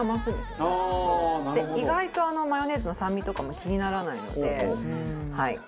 意外とマヨネーズの酸味とかも気にならないので。